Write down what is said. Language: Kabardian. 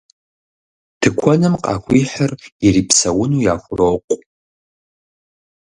Тыкуэным къахуихьыр ирипсэуну яхурокъу.